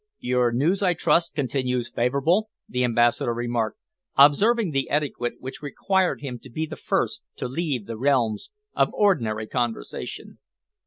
"Your news, I trust, continues favourable?" the Ambassador remarked, observing the etiquette which required him to be the first to leave the realms of ordinary conversation.